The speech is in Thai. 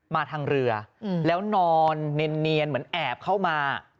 มาทางเรือแล้วนอนเนียนเหมือนแอบเข้ามา